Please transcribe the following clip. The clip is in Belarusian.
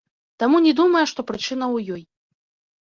Таму не думае, што прычына ў ёй.